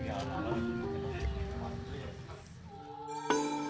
tembakau yang dikemas